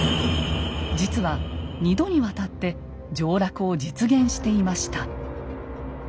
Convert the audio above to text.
実は二度にわたって上洛を実現していました。